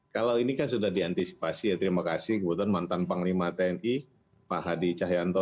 kalau ini kan sudah diantisipasi ya terima kasih kebetulan mantan panglima tni pak hadi cahyanto